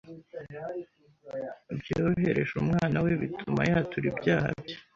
byorohereje umwana we bituma yatura ibyaha bye.